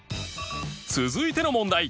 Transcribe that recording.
続いての問題